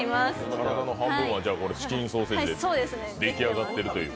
体の半分はチキンソーセージで、でき上っているという。